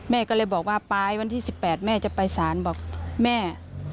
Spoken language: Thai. แม่ก็เลยบอกว่าปลายวันที่๑๘แม่จะไปสารบอกแม่